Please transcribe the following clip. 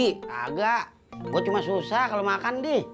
kagak gue cuma susah kalo makan deh